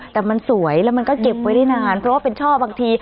แต่มันสวยแล้วมันก็เก็บไว้ได้นานเพราะว่าเป็นช่อบางที